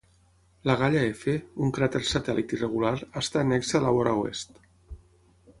Lagalla F, un cràter satèl·lit irregular, està annexe a la vora oest.